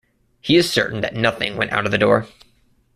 He is certain that nothing went out of the door.